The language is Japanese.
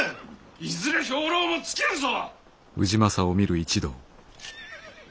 いずれ兵糧も尽きるぞ！